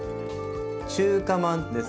「中華まんです」。